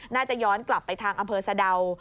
น่าจะย้อนกลับไปทางอำเภอสะดาว